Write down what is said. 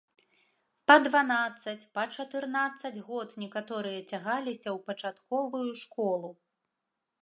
Па дванаццаць, па чатырнаццаць год некаторыя цягаліся ў пачатковую школу.